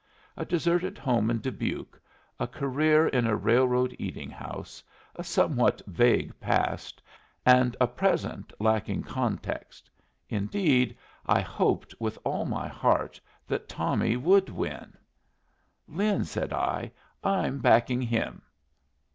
A deserted home in Dubuque, a career in a railroad eating house, a somewhat vague past, and a present lacking context indeed, I hoped with all my heart that Tommy would win! "Lin," said I, "I'm backing him."